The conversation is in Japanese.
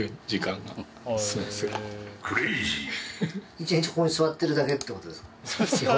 １日ここに座ってるだけってことですか？